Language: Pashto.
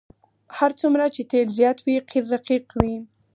هر څومره چې تیل زیات وي قیر رقیق وي